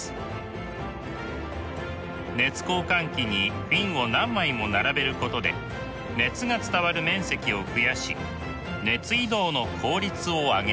熱交換器にフィンを何枚も並べることで熱が伝わる面積を増やし熱移動の効率を上げています。